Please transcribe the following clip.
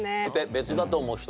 別だと思う人？